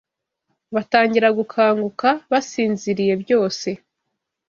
Batangira gukanguka basinziriye Byose